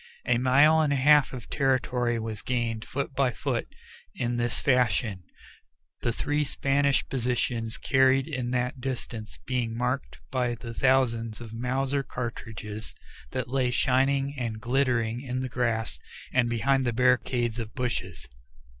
A mile and a half of territory was gained foot by foot in this fashion, the three Spanish positions carried in that distance being marked by the thousands of Mauser cartridges that lay shining and glittering in the grass and behind the barricades of bushes.